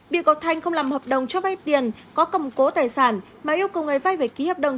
bị có thanh không làm hợp đồng cho vay tiền có cầm cố tài sản mà yêu cầu người vay phải ký hợp đồng